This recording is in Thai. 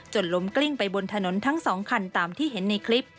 ล้มกลิ้งไปบนถนนทั้งสองคันตามที่เห็นในคลิป